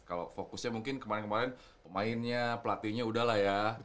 kalau fokusnya mungkin kemarin kemarin pemainnya pelatihnya udahlah ya